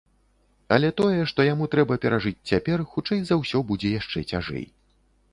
Але тое, што яму трэба перажыць цяпер, хутчэй за ўсё, будзе яшчэ цяжэй.